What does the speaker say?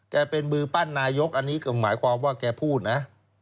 เป็นมือปั้นนายกอันนี้ก็หมายความว่าแกพูดนะ